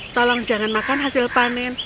tolong jangan makan hasil panen